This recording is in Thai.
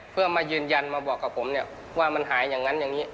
เพื่อมายืนยันมาบอกกับผมเนี่ยว่ามันหายอย่างนั้นอย่างนี้